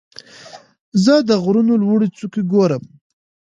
زه د غرونو لوړې څوکې ګورم.